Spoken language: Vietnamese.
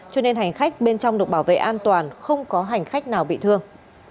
cho nên hành khách bên trong được bảo vệ an toàn không có hành khách nào bị thương